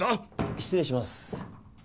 失礼します。